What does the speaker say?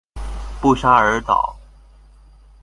布沙尔岛。